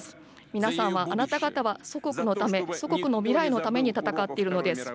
皆さんは、あなた方は祖国のため、祖国の未来のために戦っているのです。